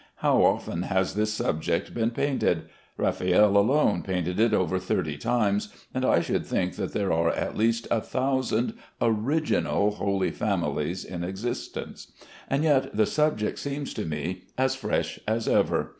How often has this subject been painted! Raffaelle alone painted it over thirty times, and I should think that there are at least a thousand original Holy Families in existence; and yet the subject seems to me as fresh as ever.